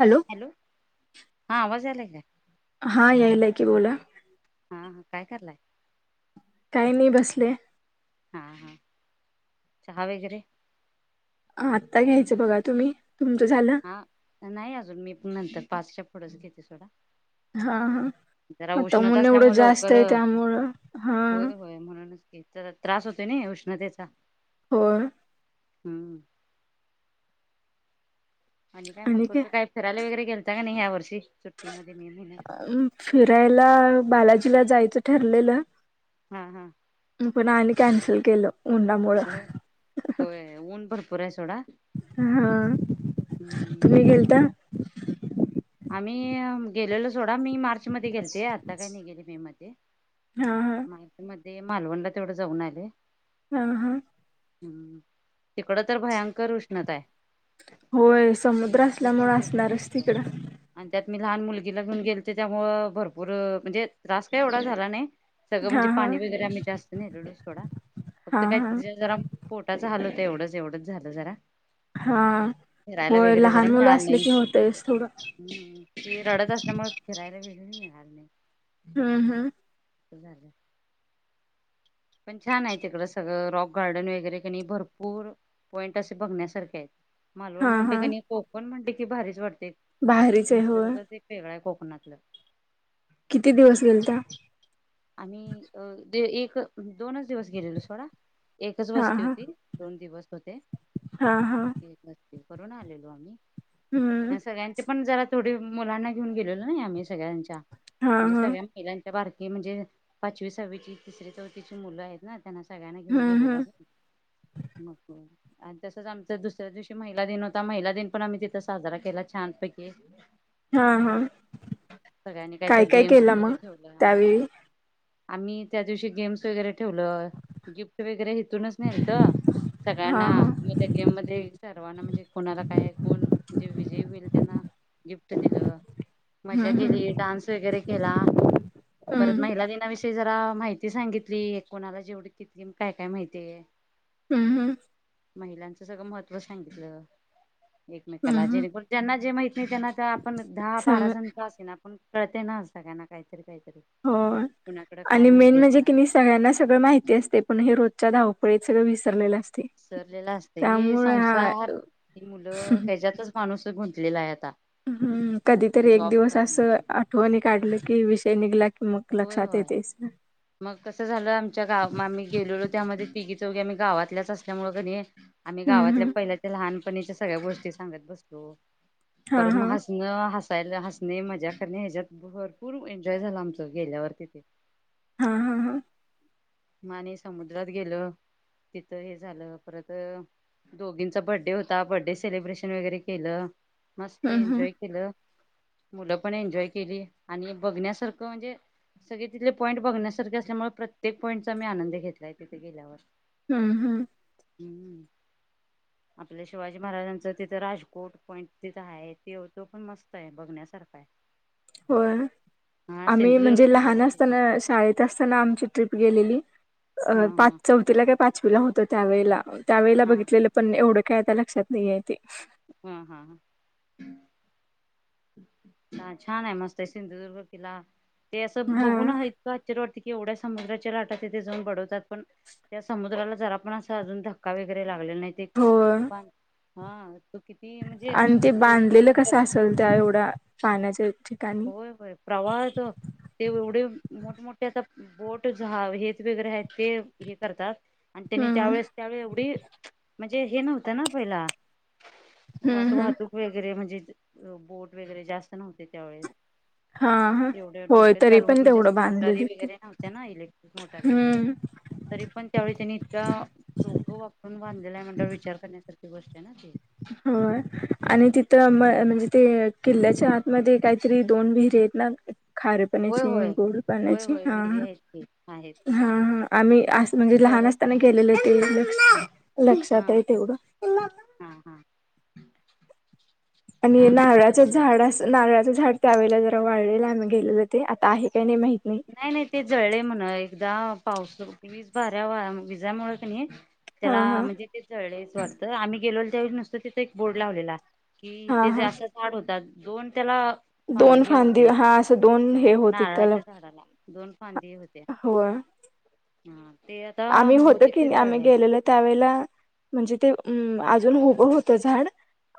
Hello. Hello, हा आवाज यायलाय काय? हां यायलाय की, बोला. हां हां काय करालाय? काय नाई बसलोया. हां. हां. चहा वगैरे, हा आत्ता घ्यायचं बघा तुम्ही, तुमचं झालं? आ नाही अजून मी पण नंतर पाचच्या पुढंच घेते सोडा. हां हां. जरा उष्णता असल्यामुळं लवकर, त्यामुळं हा होय-होय म्हणूनच की, जरा त्रास होतोय नई उष्णतेचा. होय. हं.... आणि काय मग कुठं काय फिरायला वगैरे गेलता का नाही या वर्षी सुट्टीमध्ये मे महिन्यात? अं, फिरायला बालाजीला जायचं ठरलेलं, हां हां. पण आणि कॅन्सल केलं उन्हामुळं. होय होय ऊन भरपूर हाय सोडा. हा हम्म तुम्ही गेलता? आम्ही गेलेलो सोडा मी मार्च मध्ये गेलते, आता काय नाही गेले मे मध्ये, हां हां. [unintelligible] मध्ये मालवणला तेवढं जाऊन आले. हां हां. हूं... तिकडं तर भयंकर उष्णता हाय. होय समुद्र असल्यामुळं म्हणजे असणारच भरपूर तिकडं. आणि त्यात मी लहान मुलगीला घेऊन गेलते त्यामुळं, भरपूर म्हणजे त्रास काय एवढा झाला नाही. सगळं हा म्हणजे हा पाणी वगैरे आम्ही जास्त न्हेलेलो सोडा हा फक्त काय हा ज जरा पोटाचं हाल होतंय एवढंच, एवढंच झालं जरा. हां फिरायला होय वगैरे जरा लहान मुलं असले की होतयच थोडं. ही रडत असल्यामुळे फिरायला वेगळं मिळालं नाही. हां.. हां.. -ता झालं. पण छान आहे तिकडं सगळं रॉक गार्डन वगैरे कणी भरपूर पॉइंट असे बघण्यासारखे आहेत. मालवण हा म्हटलं हा कणी कोकण म्हटलं की भारीच वाटतंय, भारीच आहे होय निसर्गच एक वेगळं आहे कोकणातलं. किती दिवस गेलता? आम्ही अ दे एक दोनच दिवस गेलेलो सोडा. एकच हा वस्ती हा होती दोन दिवस होते हा हा एक वस्ती करून आलेलो आम्ही हम्म आणि सगळ्यां नी पण जरा थोडी मुलांना घेऊन गेलेलो ना आम्ही सगळ्यांच्या हा म्हणजे हा सगळ्यां [unintelligible] बारकी म्हणजे पाचवी सहावीची तिसरी चौथीची मुलं आहेत ना त्यांना सगळ्यांना घेऊन हम्म गेलेलो हम्म आम्ही मग आणि तसंच आमचा दुसऱ्या दिवशी महिला दिन होता, महिला दिन पण आम्ही तिथं साजरा केला छानपैकी. [inaudible] हा हा सगळ्यांनी काहीतर काय काय गेम्स केला वगैरे मग ठेवल्या. त्यावेळी आम्ही त्या दिवशी गेम्स वगैरे ठेवलं गिफ्ट वगैरे हेतूनच नेलंत हा सगळ्यांना हा मग त्या गेममध्ये सर्वांना म्हणजे कोणाला काय कोण म्हणजे विजय होईल त्यांना गिफ्ट दिलं, मज्जा हम्म हम्म केली, डान्स वगैरे केला. परत हम्म महिला दिनाविषयी जरा माहिती सांगितली कोणाला जेवढी [unintelligible] काय काय माहितीय? हम्म हम्म! महिलांचं सगळं महत्त्व सांगितलं. हम्म एकमेकाला हम्म जेणेकरून ज्यांना जे माहित नाही त्यांना ते आपण दहा बारा सम जण का असेना, पण कळते ना सगळ्यांना काहीतरी काहीतरी. हो कुणाकडं काय आणि मेन माहितीय म्हणजे कोणाला कीनी मी सगळ्यांना सगळं माहिती असतंय, पण हे रोजच्या धावपळीत सगळं विसरलेलं अस विसरलेलं असतंय, हे संसार ही मुलं ह्याच्यातच माणूस गुंतलेला आहे आता. हम्म, कधीतरी एक जॉब दिवस असं करणे आठवणी काढलं की विषय निघला की मग होय लक्षात होय, येतेच मग कसं झालं आमच्या गाव आम्ही गेलोलो त्यामध्ये तिघी चौघी आम्ही गावातल्याच असल्यामुळं कणी आम्ही हम्म गावातल्या हम्म पहिल्या त्या लहानपणीच्या सगळ्या गोष्टी सांगत बसलो, हा परत म हा हास णं हसायला हसणे मजा करणे ह्याच्यात भरपूर एन्जॉय झाला आमचं गेल्यावर तिथे. हां हां हां! म आणि समुद्रात गेलो तिथं हे झालं परत दोघींचा बड्डे होता बड्डे सेलिब्रेशन वगैरे केलं, मस्त हम्म हम्म एन्जॉय केलं, मुलं पण एन्जॉय केली आणि बघण्यासारखं म्हणजे सगळे तिथले पॉईंट बघण्यासारखे असल्यामुळे प्रत्येक पॉईंटचा आम्ही आनंद घेतलाय तिथं गेल्यावर. हम्म हम्म! हम्म! आपल्या शिवाजी महाराजांचं तिथं राजकोट पॉईंट तिथं आहे ते त्यो पण मस्त आहे बघण्यासारखा आहे. [inaudible] होय, हा आम्ही सिंधुदुर्ग म्हणजे लहान किल्ल्याच्या तिथे असताना शाळेत असताना आमची ट्रीप गेलेली, हा अ पाच हा चौथीला काय पाचवीला होतो त्यावेळेला त्यावेेळेला हा बघितलेलं पण एवढं काय आता लक्षात नाहीय ते. हा हा हा. हा छान आहे मस्त आहे सिंधुदुर्ग किला ते असं हा बघून आहेत तर आश्चर्य वाटतंय की एवढ्या समुद्राच्या लाटा तिथे जाऊन बडवतात पण त्या समुद्राला जरा पण असा अजून धक्का वगैरे लागलेला नाही ते हो पण हां. आणि ते बांधलेलं कसं असेल बांधले त्या एवढ्या पाण्याच्या इ होय होय प्रवाह आहे तो ते एवढे मोठमोठे आता बोट झा हेच वगैरे आहेत ते हे करतात आणि त्यांनी हम्म त्यावेेळेस त्यावेळी एवढी म्हणजे हे नव्हतं ना पहिला हम्म अस हम्म वाहतूक वगैरे म्हणजे बोट वगैरे जास्त नव्हते त्यावेळेस हा हा एवढे होय डोक्या तरी चालव पण म्हणजे तेवढं असं मोटारी बांधलेली ते वगैरे नव्हत्या ना इलेक्ट्रिक मोटारी वगैरे हम्म तरी पण त्यावेळी त्यांनी इतका डोक वापरून बांधलेला आहे म्हटलं विचार करण्यासारखी गोष्ट आहे ना ती हो आणि तिथं म म्हणजे ते किल्ल्याच्या आतमध्ये काहीतरी दोन विहिर आहेत ना खरे होय पाण्याची आणि होय. गोड होय पाण्याची होय हा विहिरी हा आहेत की आहेत हा. आम्ही गुप अस म्हणजे लहान परत असताना गेलेले तिकडे ते लक्षात आहे तेवढं हां हा. आणि हे छान आहे तिथं नारळाचं बघण्यास झाड अस नारळाचं झाड त्यावेेळेला जरा वाळलेल आम्ही गेलंलो ते आता आहे काय नाही माहीत नाही नाही नाही ते जळले म्हण एकदा पाऊस वीज भऱ्या वा विजामुळे का नाही त्याला हा हा म्हणजे ते जळलेच वाटतं आम्ही गेलेलो त्यावेळी नुसतं तिथं एक बोर्ड लावलेला कि हा ते जे हा असं झाड होतात दोन त्याला हा दोन हेे फांदी होते असं दोन हा हे होती नारळा त्याला च्या झाडाला दोन फांदीे होत्या होय हा ते आ आम्ही होतो की, आम्ही गेलेलो त्यावेळेला- म्हणजे ते अम अजून उभं होतं झाड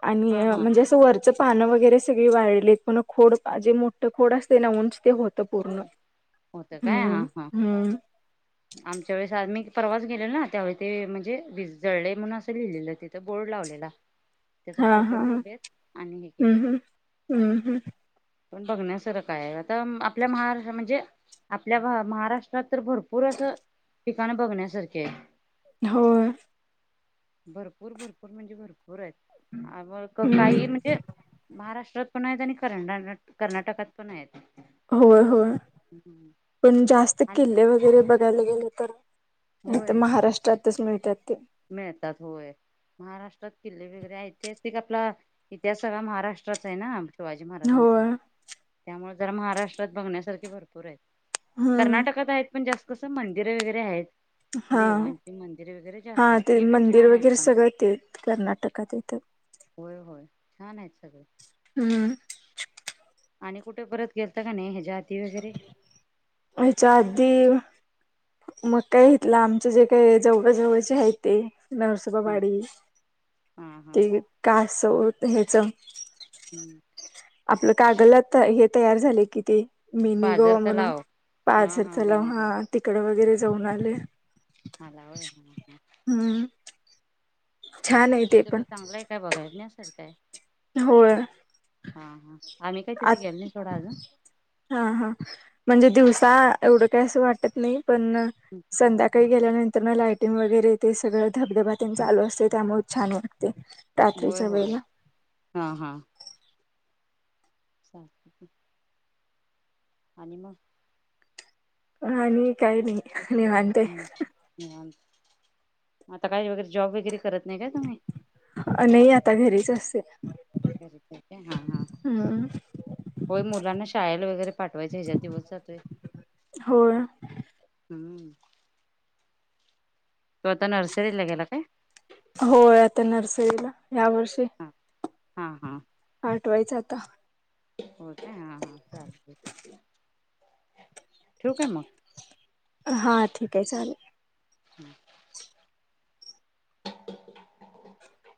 आणि हा हा म्हणजे असं वर त्याच पान वगैरे सगळी वाळतेत पण खोड जे मोठं खोड असते ना उंच ते होत त पूर्ण होत काय हा हम्म हा हम्म. आमच्या वेळेस आम्ही परवाच गेलेलो ना त्यावेळी ते म्हणजे वीज जळले म्हणून असं लिहिलेलं तिथं बोर्ड लावलेला [unintelligible] हा हा हा ठेवलेत आणि हे हम्म केले हम्म हम्म हम्म. पण बघण्यासारंख आहे आता आपल्या महाराष्ट्र म्हणजे आपल्या महाराष्ट्रात तर भरपूर असं ठिकाण बघण्यासारखी आहेत. होय. भरपूर भरपूर म्हणजे भरपूर आहेत [unintelligible] म हं काही म्हणजे महाराष्ट्रात पण आहेत आणि करंडा कर्नाटकात पण आहेत होय होय पण जास्त आणि किल्ले वगैरे बघायला गेले तर नाही तर होय महाराष्ट्रातच मिळतात ते मिळतात होय. महाराष्ट्रात किल्ले वगरे आहेत, ऐतिहासिक आपला इतिहास सगळा महाराष्ट्राचा आहे ना शिवाजी महाराजांचा. होय त्यामुळे जरा महाराष्ट्रात बघण्यासारखे भरपूर आहेत. हं कर्नाटकात आहेत पण जास्त कस मंदिरं वगरे आहेत हां देवांची मंदिरे वगैरे जास्त हां आहेत ते पण मंदिर छान आहेत वगैरे पण सगळं ते कर्नाटकात येत. होय होय छान आहेत सगळे. हम्म. आणि कुठे परत गेलता का नाही ह्याच्या हाती वगैरे होयच्या आदी मग काय घेतला. आमचे जे काय जेवळ जवळचे हाय ते. नर्स हा वा-बाडी, हा हा ते कासव ते हेचं. हम्म. आपलं का गलत. हे तयार झालंय कि ते. मिनी पाझर गोवा म्हणून, तलाव हा पाझर तलाव मिनी हा गाव तिकडं वगैरे जाऊन आले. आला होय, ह ह. हं छान आहे ते तिथं पण चांगलंय काय? बघायण्यासारखंय? होय. हा हा. आम्ही काय आत तिथे गेलो नाही सोड अजून. हा हा, म्हणजे दिवसा एवढं काय असं वाटतं नाही. पणं, संध्याकाळी गेल्यानंतर न लायटिंग वगैरे ते सगळं धबधबा तेन चालू असतंय. त्यामुळे छान वाटते ते. होय होय, हा हा. [unintelligible] आणि मग? आणि काय नाही, निवांत. हम्म निवांत, आता काय वगैरे जॉब वगैरे करत नाही काय तुम्ही? अ, नई आता घरीच असते. घरीच हाय का, हा हा. हम्म होय मुलांना शाळेला वगैरे पाठवायचं ह्याच्यात दिवस जातोय. होय. हम्म, तो आता नर्सरीला गेला काय? होय आता नर्सरीला. ह्या वर्षी. ह, हा हा. पाठवायचं आता. होय काय? हा हा चालतंय की. हा ठीके चालेल. [inaudible] [inaudible]